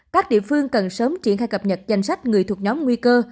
các địa phương cần sớm triển khai cập nhật danh sách người thuộc nhóm nguy cơ